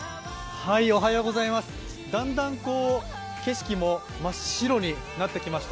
だんだん景色も真っ白になってきました。